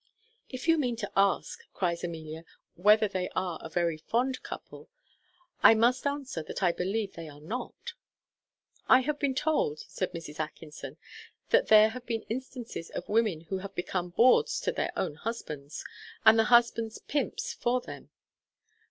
"If you mean to ask," cries Amelia, "whether they are a very fond couple, I must answer that I believe they are not." "I have been told," says Mrs. Atkinson, "that there have been instances of women who have become bawds to their own husbands, and the husbands pimps for them."